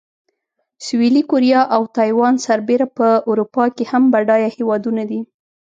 سویلي کوریا او تایوان سربېره په اروپا کې هم بډایه هېوادونه دي.